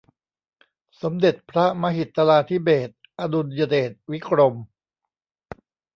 สมเด็จพระมหิตลาธิเบศร์ อดุลยเดชวิกรม